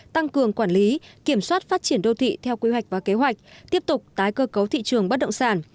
tăng cường quản lý kiểm soát phát triển đô thị theo quy hoạch và kế hoạch tiếp tục tái cơ cấu thị trường bất động sản